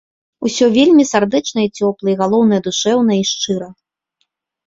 Усё вельмі сардэчна і цёпла і, галоўнае, душэўна і шчыра.